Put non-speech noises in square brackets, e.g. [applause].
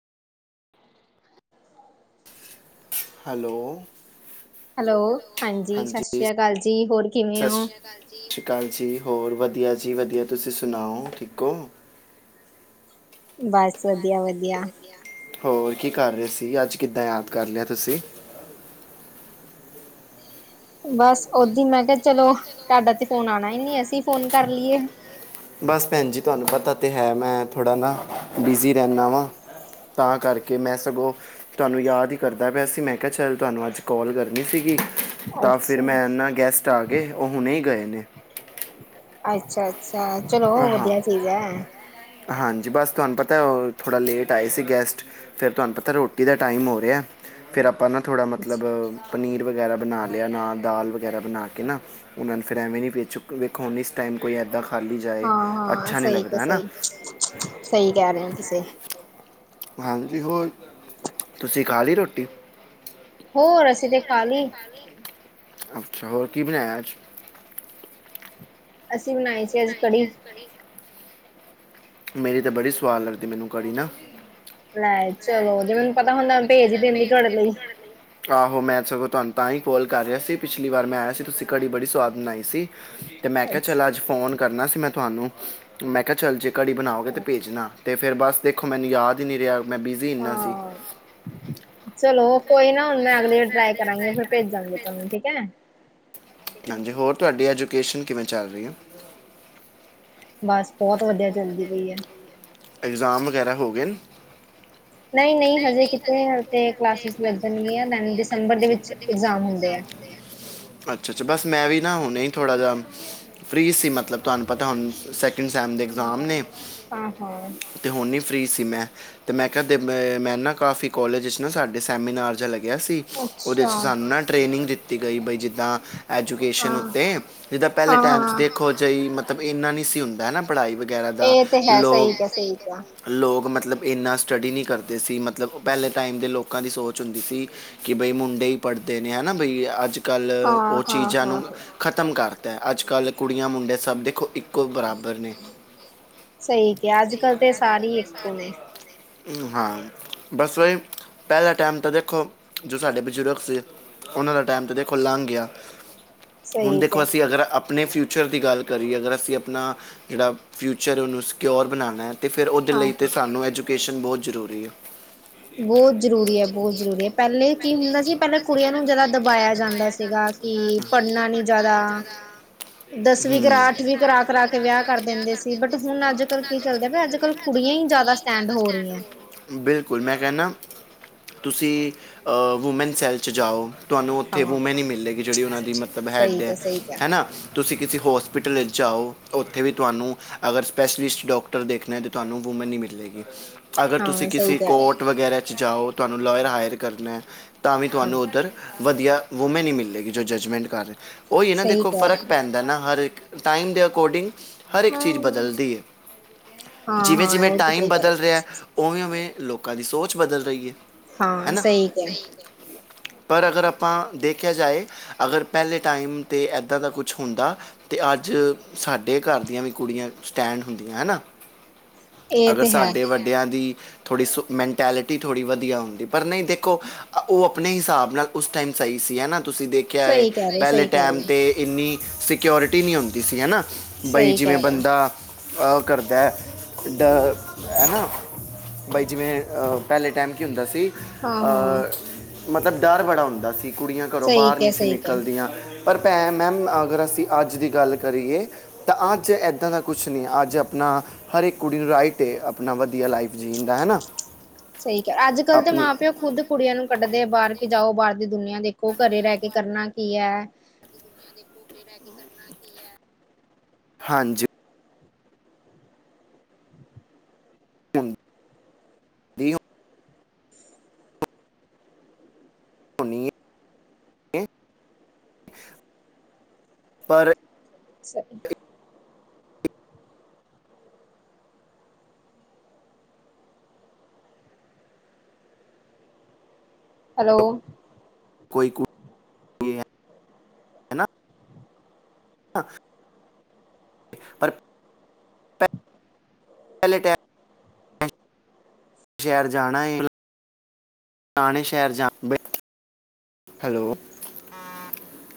Hello hello ਹਾਂਜੀ ਸਤਿ ਸ੍ਰੀ ਅਕਾਲ ਜੀ ਹੋਰ ਕਿਵੇਂ ਸਤਿ ਹੋ ਸਤਿ ਸ਼੍ਰੀ ਅਕਾਲ ਜੀ ਹੋਰ ਵਧੀਆ ਜੀ ਵਧੀਆ ਤੁਸੀਂ ਸੁਣਾਓ ਠੀਕ ਹੋ ਬਸ ਵਧੀਆ ਵਧੀਆ ਹੋਰ ਕੀ ਕਰ ਰਹੇ ਸੀ ਅੱਜ ਕਿੱਦਾਂ ਯਾਦ ਕਰ ਲਿਆ ਤੁਸੀਂ ਬਸ ਓਦੀ ਮੈਂ ਕਿਹਾ ਚਲੋ ਤੁਹਾਡਾ ਤੇ ਫੋਨ ਆਉਣਾ ਹੀ ਨਹੀ ਅਸੀਂ ਫੋਨ ਕਰ ਲਈਏ ਬਸ ਭੈਣ ਜੀ ਤੁਹਾਨੂੰ ਪਤਾ ਤਾਂ ਹੈ ਮੈਂ ਥੋੜ੍ਹਾ ਨਾ ਬਿਜ਼ੀ ਰਹਿੰਦਾ ਵਾਂ ਤਾਂ ਕਰਕੇ ਮੈਂ ਸਗੋਂ ਤੁਹਾਨੂੰ ਯਾਦ ਹੀ ਕਰਦਾ ਪਿਆ ਸੀ ਮੈਂ ਕਿਹਾ ਚੱਲ ਤੁਹਾਨੂੰ ਅੱਜ ਕਾਲ ਕਰਨੀ ਸੀਗੀ ਤਾਂ ਫਿਰ ਅੱਛਾ ਜੀ, ਮੈਂ ਨਾ ਗੈਸਟ ਆ ਗਏ ਉਹ ਹੁਣੇ ਈ ਗਏ ਨੇ। ਅੱਛਾ-ਅੱਛਾ ਚਲੋ ਹਾਂ ਵਧੀਆ ਚੀਜ਼ ਐ। ਹਾਂਜੀ ਬਸ ਤੁਹਾਨੂੰ ਪਤਾ ਉਹ ਥੋੜ੍ਹਾ ਲੇਟ ਆਏ ਸੀ ਗੈਸਟ। ਫਿਰ ਤੁਹਾਨੂੰ ਪਤਾ ਰੋਟੀ ਦਾ ਟਾਈਮ ਹੋ ਰਿਹਾ। ਫਿਰ ਆਪਾਂ ਨਾ ਥੋੜ੍ਹਾ ਮਤਲਬ ਪਨੀਰ ਵਗੈਰਾ ਬਣਾ ਲਿਆ ਨਾ ਦਾਲ ਵਗੈਰਾ ਬਣਾ ਕੇ ਨਾ ਉਹਨਾਂ ਨੂੰ ਫਿਰ ਐਵੇਂ ਨਹੀਂ ਵੇ ਚੁੱਕ ਵੇਖੋ ਹੁਣ ਇਸ ਟਾਈਮ ਕੋਈ ਇੱਦਾਂ ਖਾਲੀ ਜਾਏ ਹਾਂ ਹਾਂ, ਅੱਛਾ ਨਹੀਂ ਸਹੀ ਤੇ ਲੱਗਦਾ ਹੈ ਨਾ ਸਹੀ, ਸਹੀ ਕਹਿ ਰਹੇ ਹੋ ਤੁਸੀਂ ਹਾਂਜੀ ਹੋਰ ਤੁਸੀਂ ਖਾ ਲਈ ਰੋਟੀ ਹੋ ਅਸੀ ਤੇ ਖਾਲੀ ਅੱਛਾ ਹੋਰ ਕੀ ਬਣਾਇਆ ਅੱਜ ਅਸੀਂ ਬਣਾਏ ਸੀ ਅੱਜ ਕੜੀ ਕੜੀ ਮੇਰੀ ਤਾਂ ਬੜੀ ਸਵਾਦ ਲੱਗਦੀ ਮੈਨੂੰ ਘੜੀ ਨਾ ਲੈ ਚਲੋ ਜੇ ਮੈਨੂੰ ਪਤਾ ਹੁੰਦਾ ਭੇਜ ਹੀ ਦਿੰਦੀ ਤੁਹਾਡੇ ਲਈ ਆਹੋ ਮੈਂ ਸਗੋਂ ਤੁਹਾਨੂੰ ਤਾਂ ਹੀ ਕੋਲ ਕਰ ਰਿਹਾ ਸੀ ਪਿਛਲੀ ਵਾਰ ਮੈਂ ਆਇਆ ਸੀ ਤੁਸੀਂ ਘੜੀ ਬੜੀ ਸਵਾਦ ਬਣਾਈ ਸੀ ਹ [unintelligible] ਅਤੇ ਮੈਂ ਕਿਹਾ ਚੱਲ ਅੱਜ ਫੋਨ ਕਰਨਾ ਸੀ ਮੈਂ ਤੁਹਾਨੂੰ ਮੈਂ ਕਿਹਾ ਚੱਲ ਜੇ ਘੜੀ ਬਣਾਓਗੇ ਤਾਂ ਭੇਜਣਾ ਤੇ ਫਿਰ ਬਸ ਦੇਖੋ ਮੈਨੂੰ ਯਾਦ ਹੀ ਨਹੀਂ ਰਿਹਾ ਮੈਂ ਬਿਜ਼ੀ ਇੰਨਾ ਸੀ ਹਾਂ। ਚਲੋ ਕੋਈ ਨਾ ਹੁਣ ਮੈਂ ਅਗਲੀ ਵ ਟਰਾਈ ਕਰਾਂਗੀ ਫੇਰ ਭੇਜਾਂਗੀ ਤੁਹਾਨੂੰ ਠੀਕ ਹੈ ਹਾਂਜੀ ਹੋਰ ਤੁਹਾਡੀ ਐਜੂਕੇਸ਼ਨ ਕਿਵੇਂ ਚੱਲ ਰਹੀ ਹੈ ਬਸ ਬਹੁਤ ਵਧੀਆ ਚੱਲਦੀ ਪਈ ਹੈ ਇਗਜ਼ਾਮ ਵਗੈਰਾ ਹੋ ਗਏ ਨੇ ਨਹੀਂ ਨਹੀਂ ਹਜੇ ਕਿਤੇ ਹ ਕਲਾਸਿਸ ਲੱਗਣਗ ਦਨ ਦਸੰਬਰ ਦੇ ਵਿੱਚ ਇਗਜ਼ਾਮ ਹੁੰਦੇ ਆ ਅੱਛਾ ਅੱਛਾ ਬਸ ਮੈਂ ਵੀ ਨਾ ਹੁਣ ਥੋੜ੍ਹਾ ਜਿਹਾ ਫਰੀ ਸੀ ਮਤਲਬ ਤੁਹਾਨੂੰ ਪਤਾ ਹੁਣ ਸੈ ਦੇ ਐਗਜ਼ਾਮ ਨੇ ਹਾਂ ਹਾਂ ਅਤੇ ਹੁਣ ਨਹੀਂ ਫ੍ਰਰੀ ਸੀ ਮੈਂ ਤੇ ਮੈਂ ਕਿਹਾਦੇ ਮੈਂ ਨਾ ਕਾਫੀ ਕੋਲਜ ਵਿੱਚ ਨਾ ਸਾਡੇ ਸੈਮੀਨਾਰ ਜਾਂਹਾ ਲੱਗਿਆ ਸੀ ਉਹਦੇ ਅੱਛਾ ਚ ਸਾਨੂੰ ਨਾ ਟ੍ਰੇਨਿੰਗ ਦਿੱਤੀ ਗਈ ਬਈ ਜ ਐਜੂਕੇਸ਼ਨ ਹਾਂ ਉੱਤੇ ਜਿੱਦਾਂ ਪਹਿਲੇ ਹਾਂ ਟਾਈਮ ਚ ਹਾਂ ਦੇਖੋ ਜਹੀ ਮਤਲਬ ਇੰਨਾ ਨੀ ਸੀ ਹੁੰਦਾ ਹਨਾ ਪੜ੍ਹਾਈ ਵਗੈਰਾ ਦਾ ਇਹ ਤੇ ਹੈ ਲੋਕ ਸਹੀ ਕਿਹਾ ਸਹੀ ਕਿਹਾ ਲੋਕ ਮਤਲਬ ਇੰਨਾ ਸਟੱਡੀ ਨਹੀਂ ਕਰਦੇ ਸੀ ਮਤਲਬ ਪਹਿਲੇ ਟਾਈਮ ਦੇ ਲੋਕਾਂ ਦੀ ਸੋਚ ਹੁੰਦੀ ਸੀ ਕਿ ਬਈ ਮੁੰਡੇ ਹੀ ਪੜ੍ਹਦੇ ਨੇ ਹ ਨਾ ਬਈ ਅੱਜ ਕੱਲ੍ਹ ਹਾਂ ਉਹ ਹਾਂ ਚੀਜ਼ਾਂ ਹਾਂ ਨੂੰ ਹਾਂ ਖਤਮ ਕਰਤਾ ਅੱਜ ਕੱਲ੍ਹ ਕੁੜੀਆਂ ਮੁੰਡੇ ਸਭ ਦੇਖੋ ਇੱਕ ਕੋਈ ਬਰਾਬਰ ਨਹੀਂ ਸਹੀ ਕਿਹਾ ਅੱਜ ਕੱਲ ਤੇ ਸਾਰੇ ਹੀ ਇੱਕੋ ਨੇ ਹਾਂ ਬਸ ਵਹੀ ਪਹਿਲਾ ਟਾਈਮ ਤਾਂ ਦੇਖੋ ਜੋ ਸਾਡੇ ਬਜ਼ੁਰਗ ਸੀ। ਉਹਨਾਂ ਦਾ ਟਾਈਮ ਤਾਂ ਦੇਖੋ ਲੰਘ ਗਿਆ। ਹੁਣ ਸਹੀ ਦੇਖੋ ਕਿਹਾ ਅਸੀਂ ਅਗਰ ਅ ਆਪਣੇ ਫਿਊਚਰ ਦੀ ਗੱਲ ਕਰੀਏ ਅਗਰ ਅਸੀਂ ਆਪਣਾ ਜਿਹੜਾ ਫਿਊਚਰ ਉਹਨੂੰ ਸਕਿਕਿਓਰ ਬਣਾਉਣਾ। ਅਤੇ ਫਿਰ ਉਹਦੇ ਹਾਂ ਲਈ ਤਾਂ ਹਾਂ ਸਾਨੂੰ ਐਜੂਕੇਸ਼ਨ ਬਹੁਤ ਜ਼ਰੂਰੀ ਆ। ਬਹੁਤ ਜ਼ਰੂਰੀ ਹੈ ਬਹੁਤ ਜ਼ਰੂਰੀ ਹੈ ਪਹਿਲੇ ਕੀ ਹੁੰਦਾ ਸੀ ਪਹਿਲਾਂ ਕੁੜੀਆਂ ਨੂੰ ਜਿਆਦਾ ਦਬਾਇਆ ਜਾਂਦਾ ਸੀਗਾ। ਕਿ ਪੜ੍ਹਨਾ ਨੀ ਜਿਆਦਾ ਦਸਵੀਂ ਹੂੰ ਕਰਾ ਅੱਠਵੀਂ ਕਰਾ ਕਰਾ ਕੇ ਵਿਆਹ ਕਰ ਦਿੰਦੇ ਸੀ। ਬਟ ਹੁਣ ਅੱਜ ਕਲ੍ਹ ਕੀ ਚੱਲਦੇ ਅੱਜ ਕਲ ਕੁੜੀਆਂ ਹੀ ਜਿਆਦਾ ਸਟੈਂਡ ਹੋ ਰਹੀਆਂ। ਬਿਲਕੁਲ ਮੈਂ ਕਹਿੰਦਾ ਤੁਸੀਂ ਵੂਮੈਨ ਸੈੱਲ 'ਚ ਜਾਓ। ਤੁਹਾਨੂੰ ਉੱਥੇ ਹਾਂ ਵੂਮੈਨ ਹੀ ਮਿਲਲੇਗੀ ਜਿਹੜੀ ਉਹਨਾਂ ਦੀ ਮਤਲਬ ਸਹੀ ਹੈੱਡ ਹੈ ਕਿਹਾ ਸਹੀ ਕਿਹਾ ਹਨਾ। ਤੁਸੀਂ ਕਿਸੇ ਹੋਸਪਿਟਲ ਵਿੱਚ ਜਾਓ ਉੱਥੇ ਵੀ ਤੁਹਾਨੂੰ ਅਗਰ ਸਪੈਸ਼ਲਿਸਟ ਡਾ ਅਗਰ ਦੇਖਣਾ ਅਤੇ ਤੁਹਾਨੂੰ ਵੂਮੈਨ ਈ ਮਿਲ ਜਾਏਗੀ। ਅਗਰ ਤੁਸੀਂ ਹਾਂ ਸਹੀ ਕਿਸੇ ਕਹਿ ਰਹੇ ਕੋਰਟ ਵਗੈਰਾ 'ਚ ਜਾਓ ਤੁਹਾਨੂੰ ਲਾਇਅਰ ਹਾਇਰ ਕਰਨਾ ਤਾਂ ਵੀ ਤੁਹਾਨੂੰ ਹਮ ਉੱਧਰ ਵਧੀਆ ਵੂਮੈਨ ਹੀ ਮਿਲੇਗੀ ਜੋ ਜੱਜਮੈਂਟ ਕਰ ਰਹੇ ਉਹੀ ਹੈ ਨਾ ਸਹੀ ਦੇਖੋ ਕਹਿ ਰਹੇ ਫਰਕ ਹੋ। ਪੈਂਦਾ ਨਾ ਹਰ ਇੱਕ ਟਾਈਮ ਦੇ ਅਕੋਡਿੰਗ ਹਰ ਇੱਕ ਚੀਜ਼ ਹਾਂ ਬਦਲਦੀ ਹੈ ਹਾਂ ਜਿਵੇਂ ਹਾਂ ਜਿਵੇਂ ਇਹ ਤੇ ਟਾਈਮ ਸਹੀ ਕਹਿ ਰਹੇ ਹੋ, ਬਦਲ ਰਿਹਾ। ਉਵੇਂ ਉਵੇਂ ਲੋਕਾਂ ਦੀ ਸੋਚ ਬਦਲ ਰਹੀ ਹੈ ਹੈ ਹਾਂ ਨਾ ਸਹੀ ਕਿਹਾ ਪਰ ਅਗਰ ਆਪਾਂ ਦੇਖਿਆ ਜਾਏ ਅਗਰ ਪਹਿਲੇ ਟਾਈਮ 'ਤੇ ਇੱਦਾਂ ਦਾ ਕੁਛ ਹੁੰਦਾ ਅਤੇ ਅੱਜ ਸਾਡੇ ਘਰ ਦੀਆਂ ਵੀ ਕੁੜੀਆਂ ਸਟੈਂਡ ਹੁੰਦੀਆਂ ਹੈ [unintelligible] [inaudible] ਅਗਰ ਤੇ ਹੈ ਸਾਡੇ ਵੱਡਿਆਂ ਦੀ ਥੋੜ੍ਹੀ ਸੁ ਮੈਂਟੈਲਿਟੀ ਥੋੜ੍ਹੀ ਵਧੀਆ ਹੁੰਦੀ। ਪਰ ਨਹੀਂ ਦੇਖੋ ਉਹ ਆਪਣੇ ਹਿਸਾਬ ਨਾਲ ਉਸ ਟਾਈਮ ਸਹੀ ਸੀ ਹੈ ਨਾ। ਦੇਖਿਆ ਹੈ ਸਹੀ ਕਹਿ ਰਹੇ ਹੋ ਪਹਿਲੇ ਸਹੀ ਕਹਿ ਰਹੇ ਟਾਈਮ ਹੋ ਤੇ। ਇੰਨੀ ਸਿਓਰਟੀ ਨਹੀਂ ਹੁੰਦੀ ਸੀ ਹਨਾ ਬਈ ਸਹੀ ਜਿਵੇਂ ਕਹਿ ਰਹੇ ਹੋ ਬੰਦਾ। ਆਹ ਕਰਦਾ ਡ ਹੈ ਨਾ। ਬਾਈ ਜਿਵੇਂ ਪਹਿਲੇ ਟਾਈਮ ਕੀ ਹੁੰਦਾ ਸੀ। ਹਾਂ ਹਾਂ ਮਤਲਬ ਡਰ ਬੜਾ ਹੁੰਦਾ ਸੀ ਕੁੜੀਆਂ ਘਰੋਂ ਸਹੀ ਬਾਹਰ ਕਿਹਾ ਨਹੀਂ ਸੀ ਸਹੀ ਕਿਹਾ ਨਿਕਲਦੀਆਂ। ਪਰ ਭੈਣ ਮੈਮ ਅਗਰ ਅਸੀਂ ਅੱਜ ਦੀ ਗੱਲ ਕਰੀਏ। ਤਾਂ ਅੱਜ ਇੱਦਾਂ ਦਾ ਕੁਛ ਨਹੀਂ ਅੱਜ ਆਪਣਾ। ਹਰ ਇੱਕ ਕੁੜੀ ਨੂੰ ਰਾਈਟ ਆਪਣਾ ਵਧੀਆ ਲਾਈਫ ਜੀਣਦਾ ਹਨਾ। ਸਹੀ ਕਰ ਅੱਜ ਕੱਲ ਤੇ ਮਾਂ ਪਿਓ ਖੁਦ। ਕੁੜੀਆਂ ਨੂੰ ਕੱਢਦੇ ਆ ਬਾਹਰ ਕੇ ਜਾਓ ਬਾਹਰ ਦੀ ਦੁਨੀਆਂ ਦੇਖੋ ਘਰੇ ਰਹਿ ਕੇ ਕਰਨਾ ਕੀ ਹੈ। ਕੀ ਕਰਨਾ ਕੀ ਹੈ। ਹਾਂਜੀ, ਨਹੀਂ, [unintelligible] ਪਰ ਸਹੀ, ਹੈਲੋ, ਕੋਈ ਕੁ ਨਾ [unintelligible] ਪਰ [unintelligible] ਪਹਿਲੇ ਟੈਮ ਸ਼ਹਿਰ ਜਾਣਾ ਹੈ ਪੁਰਾਣੇ ਸ਼ਹਿਰ ਜਾ ਹੈਲੋ।